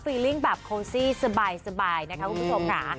ลิ่งแบบโคซี่สบายนะคะคุณผู้ชมค่ะ